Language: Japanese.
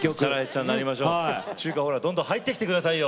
ちゅうかどんどん入ってきて下さいよ！